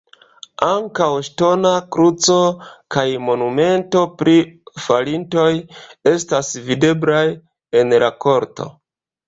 Ankaŭ ŝtona kruco kaj monumento pri falintoj estas videblaj en la korto.